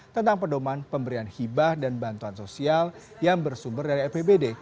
tentang pedoman pemberian hibah dan bantuan sosial yang bersumber dari apbd